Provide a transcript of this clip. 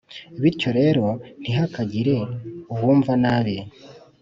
bityo rero ntihakagire uwumva nabi